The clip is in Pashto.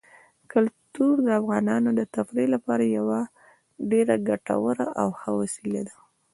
کلتور د افغانانو د تفریح لپاره یوه ډېره ګټوره او ښه وسیله ده.